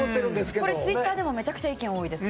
これ、ツイッターでもめちゃくちゃ意見多いです。